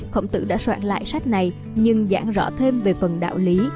khổng tử đã soạn lại sách này nhưng giảng rõ thêm về phần đạo lý